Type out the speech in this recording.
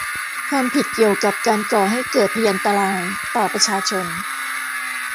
ความผิดเกี่ยวกับการก่อให้เกิดภยันตรายต่อประชาชน